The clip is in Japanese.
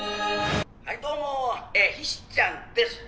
はいどうもヒシちゃんです。